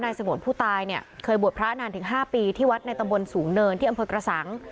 สงวนผู้ตายเนี่ยเคยบวชพระนานถึง๕ปีที่วัดในตำบลสูงเนินที่อำเภอกระสัง